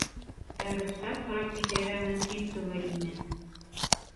Ә рөхсәт һорап китергә мөмкин түгел ине.